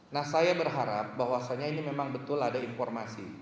nah saya berharap bahwasannya ini memang betul ada informasi